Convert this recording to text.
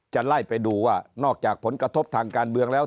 ไล่ไปดูว่านอกจากผลกระทบทางการเมืองแล้ว